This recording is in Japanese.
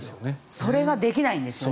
それができないんですよね。